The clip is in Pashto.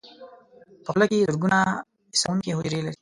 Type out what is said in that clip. په خوله کې زرګونه حسونکي حجرې لري.